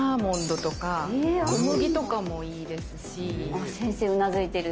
あっ先生うなずいてる。